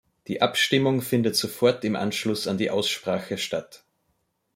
Die Abstimmung findet sofort im Anschluss an die Aussprache statt.